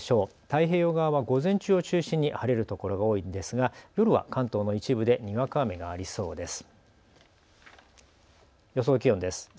太平洋側は午前中を中心に晴れる所が多いんですが、夜は関東の一部でにわか雨がありそうです。